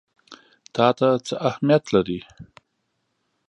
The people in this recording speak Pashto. تا ته څه اهمیت لري؟